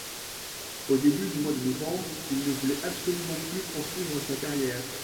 Au début du mois de novembre, il ne voulait absolument plus poursuivre sa carrière.